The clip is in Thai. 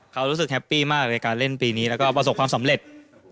เขารู้สึกแฮปปี้มากในการเล่นปีนี้แล้วก็ประสบความสำเร็จ